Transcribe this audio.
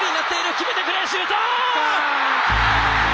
決めてくれシュート！